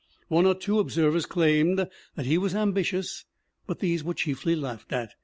One or two observers claimed that he was ambitious, but these were chiefly laughed at.